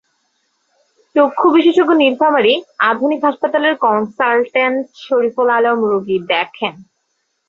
চক্ষু বিশেষজ্ঞ নীলফামারী আধুনিক হাসপাতালের কনসালট্যান্ট শরীফুল আলম চৌধুরী রোগী দেখেন।